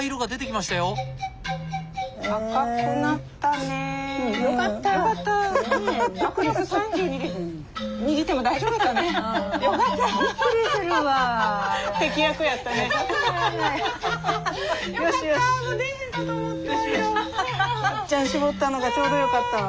まっちゃん絞ったのがちょうどよかったわ。